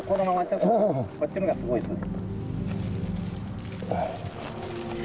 こっちの方がすごいですね。